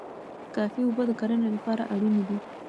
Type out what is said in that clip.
کافي اوبه د کرنې لپاره اړینې دي.